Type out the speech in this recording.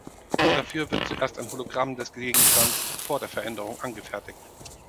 Dafür wird zuerst ein Hologramm des Gegenstands vor der Veränderung angefertigt.